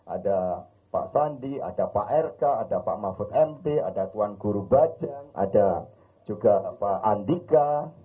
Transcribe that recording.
ada pak sandi ada pak rk ada pak mahfud mt ada tuan guru bajang ada juga pak andika